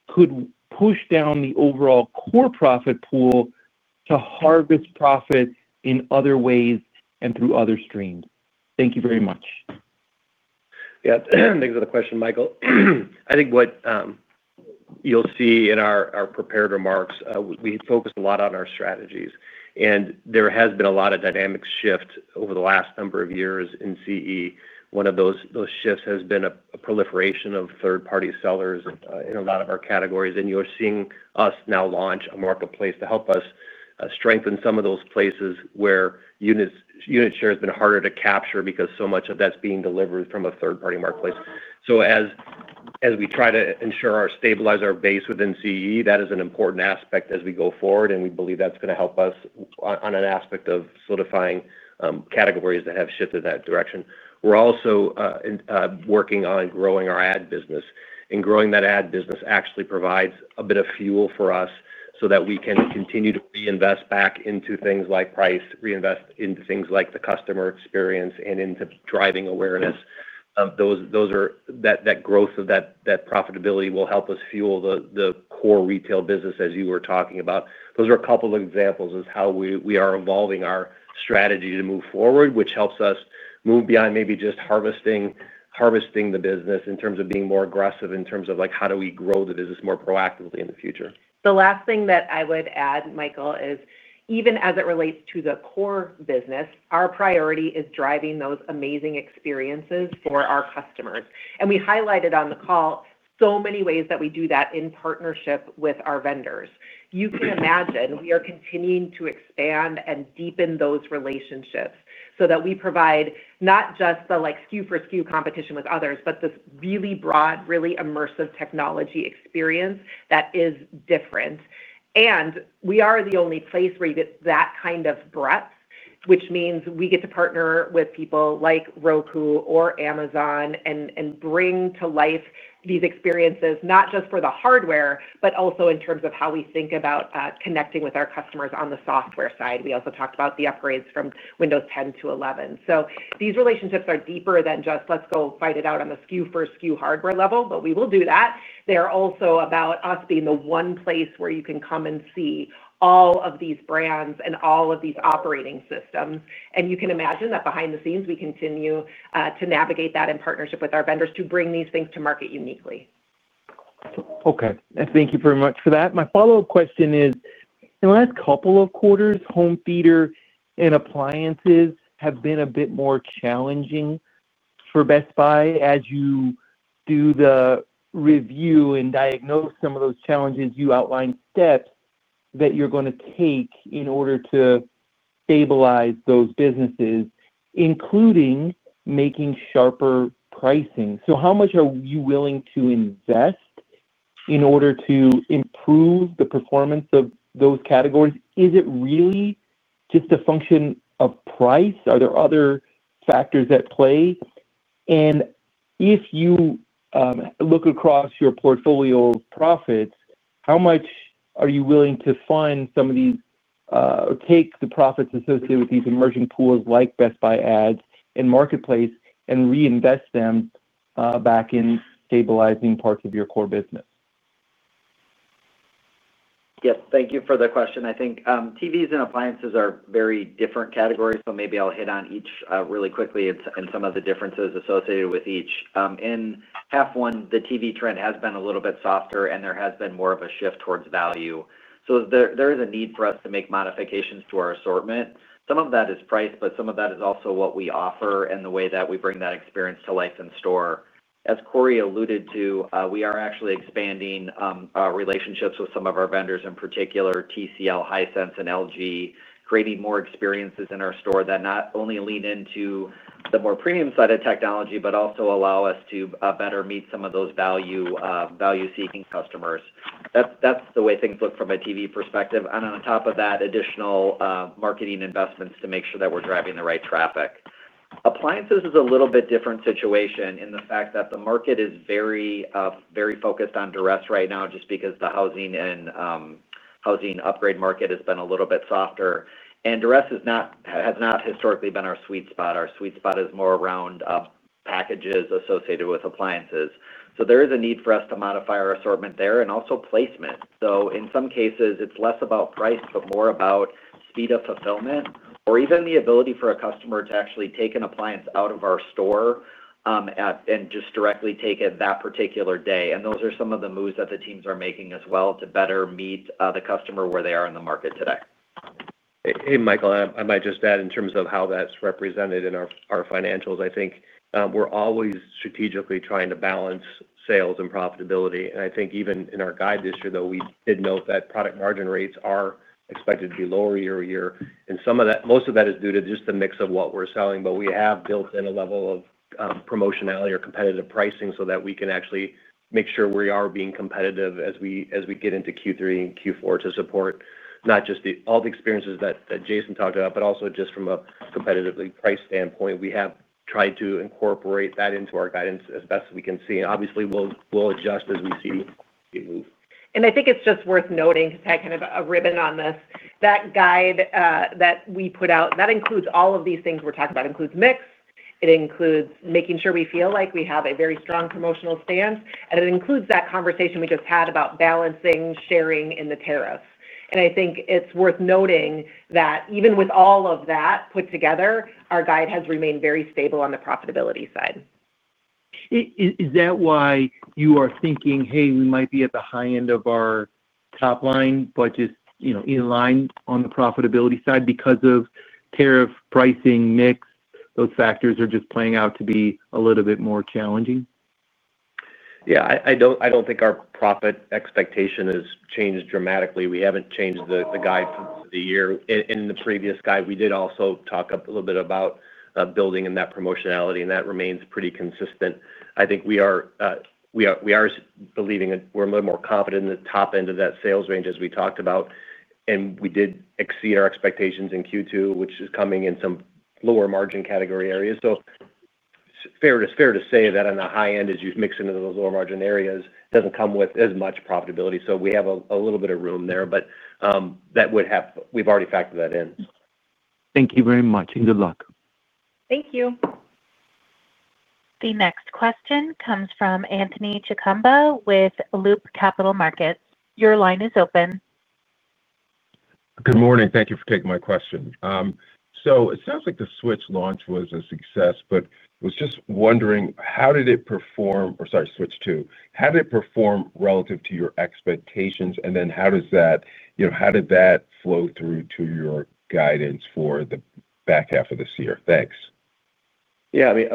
could push down the overall core profit pool to harvest profits in other ways and through other streams? Thank you very much. Yeah, thanks for the question, Michael. I think what you'll see in our prepared remarks, we had focused a lot on our strategies. There has been a lot of dynamic shifts over the last number of years in CE. One of those shifts has been a proliferation of third-party sellers in a lot of our categories. You are seeing us now launch a marketplace to help us strengthen some of those places where unit share has been harder to capture because so much of that's being delivered from a third-party marketplace. As we try to ensure or stabilize our base within CE, that is an important aspect as we go forward. We believe that's going to help us on an aspect of solidifying categories that have shifted in that direction. We're also working on growing our ad business. Growing that ad business actually provides a bit of fuel for us so that we can continue to reinvest back into things like price, reinvest into things like the customer experience, and into driving awareness. That growth of that profitability will help us fuel the core retail business, as you were talking about. Those are a couple of examples of how we are evolving our strategy to move forward, which helps us move beyond maybe just harvesting the business in terms of being more aggressive, in terms of like how do we grow the business more proactively in the future. The last thing that I would add, Michael, is even as it relates to the core business, our priority is driving those amazing experiences for our customers. We highlighted on the call so many ways that we do that in partnership with our vendors. You can imagine we are continuing to expand and deepen those relationships so that we provide not just the like SKU for SKU competition with others, but this really broad, really immersive technology experience that is different. We are the only place where you get that kind of breadth, which means we get to partner with people like Roku or Amazon and bring to life these experiences not just for the hardware, but also in terms of how we think about connecting with our customers on the software side. We also talked about the upgrades from Windows 10 to 11. These relationships are deeper than just let's go fight it out on the SKU for SKU hardware level, but we will do that. They are also about us being the one place where you can come and see all of these brands and all of these operating systems. You can imagine that behind the scenes, we continue to navigate that in partnership with our vendors to bring these things to market uniquely. OK, thank you very much for that. My follow-up question is, in the last couple of quarters, home theater and appliances have been a bit more challenging for Best Buy. As you do the review and diagnose some of those challenges, you outlined steps that you're going to take in order to stabilize those businesses, including making sharper pricing. How much are you willing to invest in order to improve the performance of those categories? Is it really just a function of price? Are there other factors at play? If you look across your portfolio profits, how much are you willing to fund some of these or take the profits associated with these emerging pools like Best Buy Ads and Best Buy Marketplace and reinvest them back in stabilizing parts of your core business? Thank you for the question. I think TVs and appliances are very different categories, but maybe I'll hit on each really quickly and some of the differences associated with each. In half one, the TV trend has been a little bit softer, and there has been more of a shift towards value. There is a need for us to make modifications to our assortment. Some of that is price, but some of that is also what we offer and the way that we bring that experience to life in store. As Corie alluded to, we are actually expanding relationships with some of our vendors, in particular TCL, Hisense, and LG, creating more experiences in our store that not only lean into the more premium side of technology, but also allow us to better meet some of those value-seeking customers. That's the way things look from a TV perspective. On top of that, additional marketing investments to make sure that we're driving the right traffic. Appliances is a little bit different situation in the fact that the market is very, very focused on duress right now, just because the housing and housing upgrade market has been a little bit softer. Duress has not historically been our sweet spot. Our sweet spot is more around packages associated with appliances. There is a need for us to modify our assortment there and also placement. In some cases, it's less about price, but more about speed of fulfillment or even the ability for a customer to actually take an appliance out of our store and just directly take it that particular day. Those are some of the moves that the teams are making as well to better meet the customer where they are in the market today. Hey, Michael, I might just add in terms of how that's represented in our financials. I think we're always strategically trying to balance sales and profitability. I think even in our guide this year, though, we did note that product margin rates are expected to be lower year over year. Some of that, most of that is due to just the mix of what we're selling. We have built in a level of promotionality or competitive pricing so that we can actually make sure we are being competitive as we get into Q3 and Q4 to support not just all the experiences that Jason talked about, but also just from a competitively priced standpoint. We have tried to incorporate that into our guidance as best as we can see. Obviously, we'll adjust as we see it move. I think it's just worth noting, because I had kind of a ribbon on this, that guide that we put out includes all of these things we're talking about. It includes mix, making sure we feel like we have a very strong promotional stance, and that conversation we just had about balancing sharing in the tariffs. I think it's worth noting that even with all of that put together, our guide has remained very stable on the profitability side. Is that why you are thinking, hey, we might be at the high end of our top line but just in line on the profitability side because of tariff pricing mix? Those factors are just playing out to be a little bit more challenging? Yeah, I don't think our profit expectation has changed dramatically. We haven't changed the guide for the year. In the previous guide, we did also talk a little bit about building in that promotionality, and that remains pretty consistent. I think we are believing we're a little more confident in the top end of that sales range, as we talked about. We did exceed our expectations in Q2, which is coming in some lower margin category areas. It's fair to say that on the high end, as you mix into those lower margin areas, it doesn't come with as much profitability. We have a little bit of room there. That would have we've already factored that in. Thank you very much, and good luck. Thank you. The next question comes from Anthony Chukumba with Loop Capital Markets. Your line is open. Good morning. Thank you for taking my question. It sounds like the Nintendo Switch 2 launch was a success. I was just wondering, how did it perform relative to your expectations? How did that flow through to your guidance for the back half of this year? Thanks. Yeah, I mean,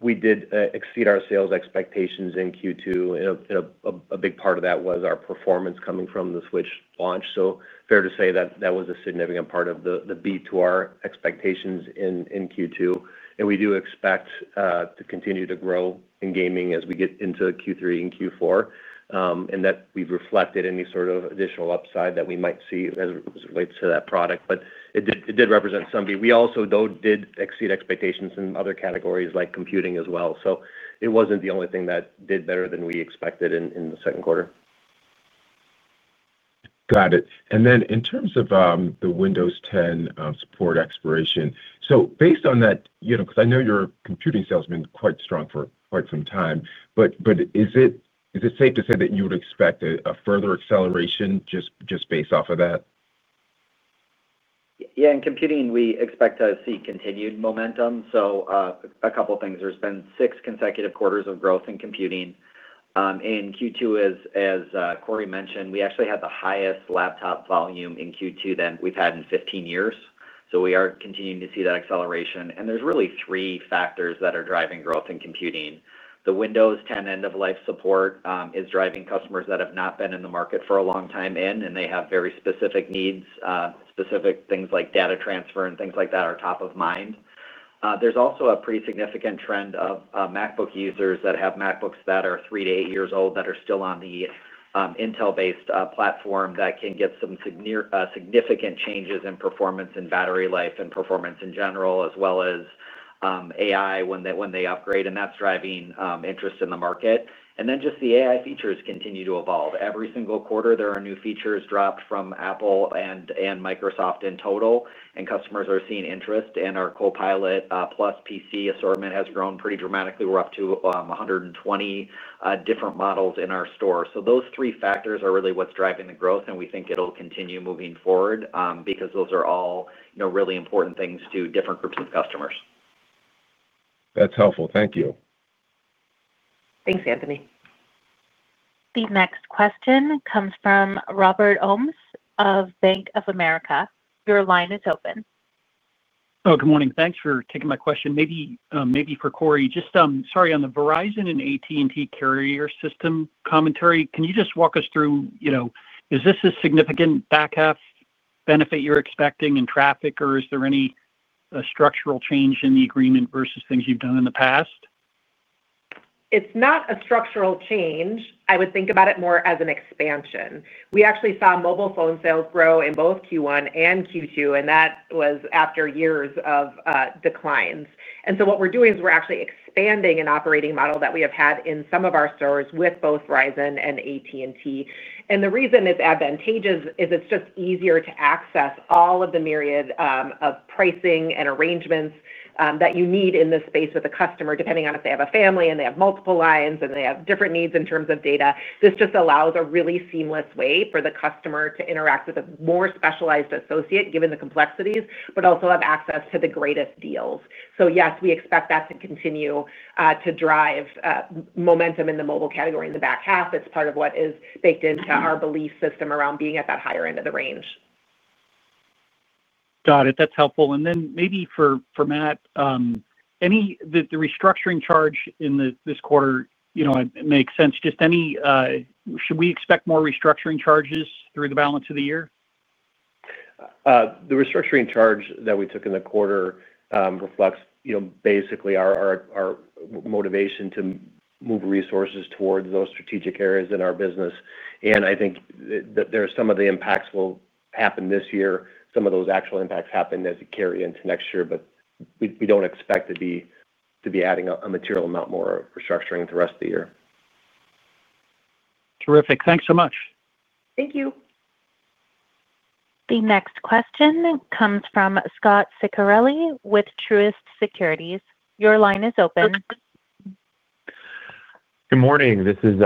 we did exceed our sales expectations in Q2, and a big part of that was our performance coming from the Nintendo Switch 2 launch. It is fair to say that that was a significant part of the beat to our expectations in Q2. We do expect to continue to grow in gaming as we get into Q3 and Q4, and we've reflected any sort of additional upside that we might see as it relates to that product. It did represent some beat. We also did exceed expectations in other categories like computing as well, so it wasn't the only thing that did better than we expected in the second quarter. Got it. In terms of the Windows 10 support expiration, based on that, I know your computing sales have been quite strong for quite some time. Is it safe to say that you would expect a further acceleration just based off of that? Yeah, in computing, we expect to see continued momentum. There have been six consecutive quarters of growth in computing. In Q2, as Corie mentioned, we actually had the highest laptop volume in Q2 than we've had in 15 years. We are continuing to see that acceleration. There are really three factors that are driving growth in computing. The Windows 10 end-of-life support is driving customers that have not been in the market for a long time in, and they have very specific needs. Specific things like data transfer and things like that are top of mind. There is also a pretty significant trend of MacBook users that have MacBooks that are three to eight years old that are still on the Intel-based platform that can get some significant changes in performance and battery life and performance in general, as well as AI when they upgrade. That is driving interest in the market. The AI features continue to evolve. Every single quarter, there are new features dropped from Apple and Microsoft in total. Customers are seeing interest. Our Copilot+ AI PCs assortment has grown pretty dramatically. We're up to 120 different models in our store. Those three factors are really what's driving the growth. We think it'll continue moving forward because those are all really important things to different groups of customers. That's helpful. Thank you. Thanks, Anthony. The next question comes from Robert Bass of Bank of America. Your line is open. Good morning. Thanks for taking my question. Maybe for Corie, on the Verizon and AT&T carrier system commentary, can you walk us through, is this a significant back half benefit you're expecting in traffic, or is there any structural change in the agreement versus things you've done in the past? It's not a structural change. I would think about it more as an expansion. We actually saw mobile phone sales grow in both Q1 and Q2. That was after years of declines. What we're doing is we're actually expanding an operating model that we have had in some of our stores with both Verizon and AT&T. The reason it's advantageous is it's just easier to access all of the myriad of pricing and arrangements that you need in this space with a customer, depending on if they have a family and they have multiple lines and they have different needs in terms of data. This just allows a really seamless way for the customer to interact with a more specialized associate, given the complexities, but also have access to the greatest deals. Yes, we expect that to continue to drive momentum in the mobile category in the back half. It's part of what is baked into our belief system around being at that higher end of the range. Got it. That's helpful. Maybe for Matt, the restructuring charge in this quarter makes sense. Should we expect more restructuring charges through the balance of the year? The restructuring charge that we took in the quarter reflects basically our motivation to move resources towards those strategic areas in our business. I think that some of the impacts will happen this year. Some of those actual impacts happen as you carry into next year. We don't expect to be adding a material amount more of restructuring the rest of the year. Terrific. Thanks so much. Thank you. The next question comes from Scot Ciccarelli with Truist Securities. Your line is open. Good morning. This is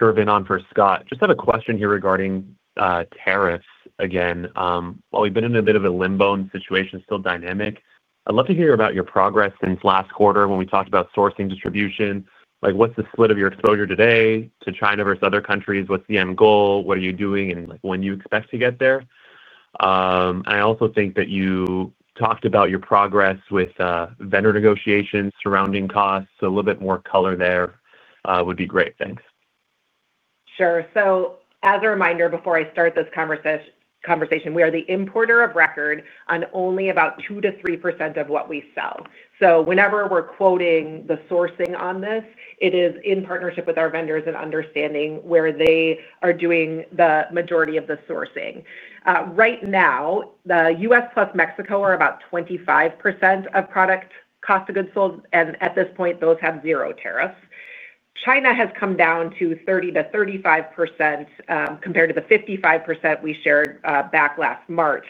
Shervin on for Scot. I just had a question here regarding tariffs again. While we've been in a bit of a limbo situation, still dynamic, I'd love to hear about your progress since last quarter when we talked about sourcing distribution. What's the split of your exposure today to China versus other countries? What's the end goal? What are you doing and when do you expect to get there? I also think that you talked about your progress with vendor negotiations surrounding costs. A little bit more color there would be great. Thanks. Sure. As a reminder, before I start this conversation, we are the importer of record on only about 2% \-3% of what we sell. Whenever we're quoting the sourcing on this, it is in partnership with our vendors and understanding where they are doing the majority of the sourcing. Right now, the U.S. plus Mexico are about 25% of product cost of goods sold. At this point, those have 0% tariffs. China has come down to 30%-35% compared to the 55% we shared back last March.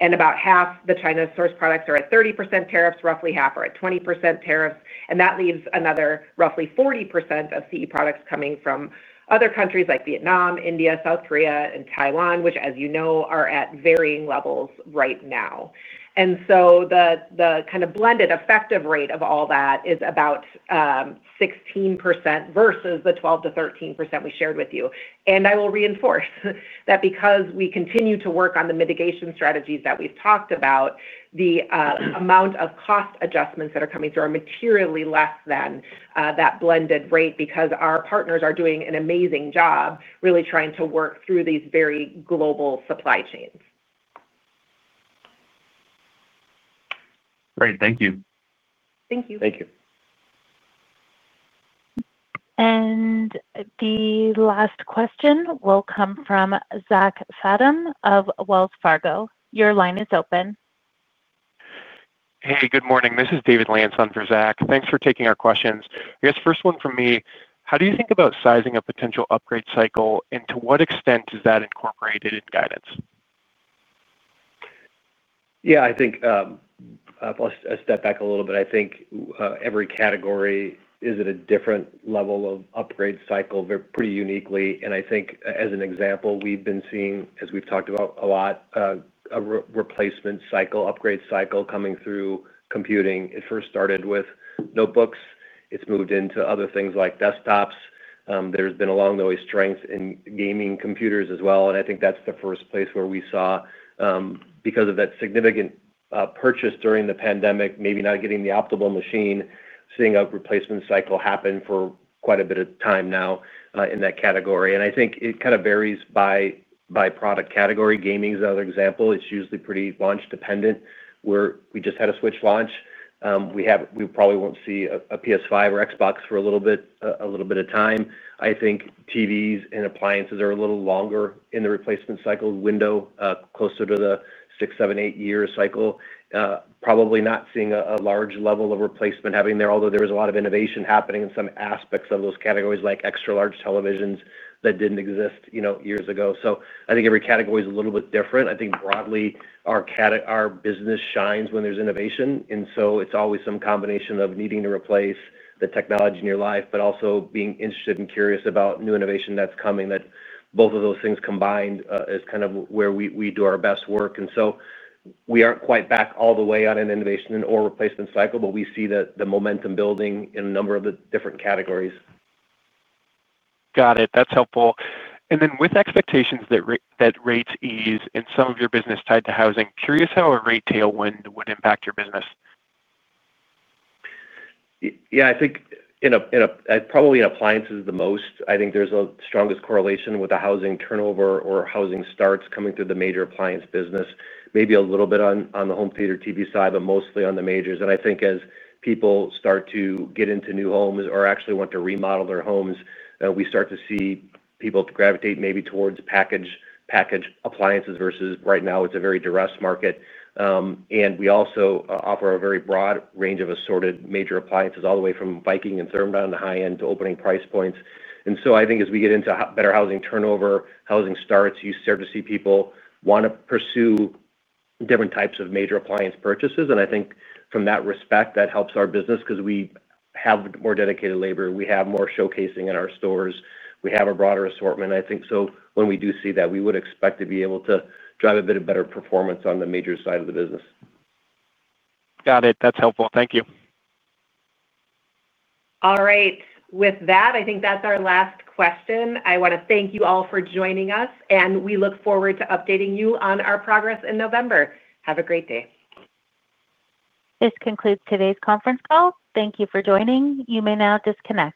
About half the China-sourced products are at 30% tariffs. Roughly half are at 20% tariffs. That leaves another roughly 40% of CE products coming from other countries like Vietnam, India, South Korea, and Taiwan, which, as you know, are at varying levels right now. The kind of blended effective rate of all that is about 16% versus the 12%-13% we shared with you. I will reinforce that because we continue to work on the mitigation strategies that we've talked about, the amount of cost adjustments that are coming through are materially less than that blended rate because our partners are doing an amazing job really trying to work through these very global supply chains. Great. Thank you. Thank you. Thank you. The last question will come from Zach Sadam of Wells Fargo. Your line is open. Hey, good morning. This is David Lantz on for Zach. Thanks for taking our questions. I guess first one from me, how do you think about sizing a potential upgrade cycle, and to what extent is that incorporated in guidance? Yeah, I think I'll step back a little bit. I think every category is at a different level of upgrade cycle pretty uniquely. I think, as an example, we've been seeing, as we've talked about a lot, a replacement cycle, upgrade cycle coming through computing. It first started with notebooks. It's moved into other things like desktops. There's been a long, always strength in gaming computers as well. I think that's the first place where we saw, because of that significant purchase during the pandemic, maybe not getting the optimal machine, seeing a replacement cycle happen for quite a bit of time now in that category. I think it kind of varies by product category. Gaming is another example. It's usually pretty launch-dependent. We just had a Nintendo Switch 2 launch. We probably won't see a PS5 or Xbox for a little bit of time. I think TVs and appliances are a little longer in the replacement cycle window, closer to the six, seven, eight-year cycle. Probably not seeing a large level of replacement happening there, although there was a lot of innovation happening in some aspects of those categories, like extra-large televisions that didn't exist, you know, years ago. I think every category is a little bit different. I think broadly our business shines when there's innovation. It's always some combination of needing to replace the technology in your life, but also being interested and curious about new innovation that's coming. Both of those things combined is kind of where we do our best work. We aren't quite back all the way on an innovation or replacement cycle, but we see the momentum building in a number of the different categories. Got it. That's helpful. With expectations that rates ease and some of your business tied to housing, curious how a retail wind would impact your business. Yeah, I think probably in appliances the most. I think there's a strongest correlation with the housing turnover or housing starts coming through the major appliance business. Maybe a little bit on the home theater TV side, but mostly on the majors. I think as people start to get into new homes or actually want to remodel their homes, we start to see people gravitate maybe towards packaged appliances versus right now it's a very duress market. We also offer a very broad range of assorted major appliances, all the way from Viking and Therm down to high-end opening price points. I think as we get into better housing turnover, housing starts, you start to see people want to pursue different types of major appliance purchases. I think from that respect, that helps our business because we have more dedicated labor. We have more showcasing in our stores. We have a broader assortment. I think when we do see that, we would expect to be able to drive a bit of better performance on the major side of the business. Got it. That's helpful. Thank you. All right. With that, I think that's our last question. I want to thank you all for joining us. We look forward to updating you on our progress in November. Have a great day. This concludes today's conference call. Thank you for joining. You may now disconnect.